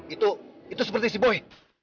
itu itu seperti si boy